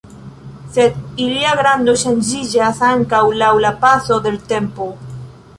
Sed ilia grando ŝanĝiĝas ankaŭ laŭ la paso de l' tempo.